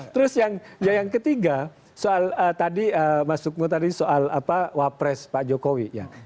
terus yang ketiga soal tadi mas sukmo tadi soal wapres pak jokowi ya